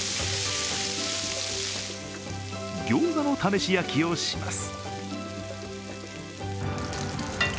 ギョーザの試し焼きをします。